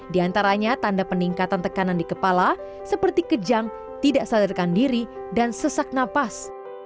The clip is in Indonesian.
di antaranya tanda peningkatan tekanan di kepala seperti kejang tidak sadarkan diri dan sesak napas